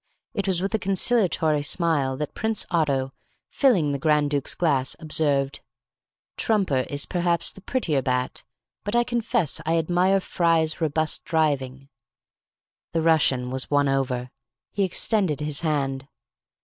It was with a conciliatory smile that Prince Otto, filling the Grand Duke's glass, observed: "Trumper is perhaps the prettier bat, but I confess I admire Fry's robust driving." The Russian was won over. He extended his hand.